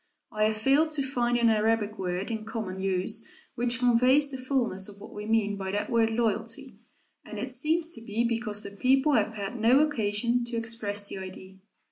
I have failed to find an Arabic word in common use which conveys the fullness of what we mean by that word "loyalty," and it seems to be because the people have had no occasion to express the idea.